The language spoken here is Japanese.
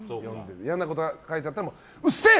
嫌なこと書いてあったらうっせえ！